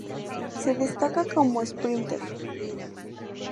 Se destaca como esprínter.